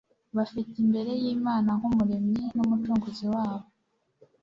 bafite imbere yImana nkUmuremyi nUmucunguzi wabo